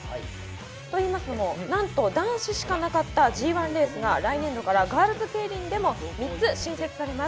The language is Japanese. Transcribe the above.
と言いますのも、なんと男子しかなかったＧ１レースが来年度からガールズケイリンでも３つ新設されます。